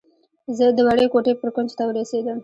زه د وړې کوټې بر کونج ته ورسېدم.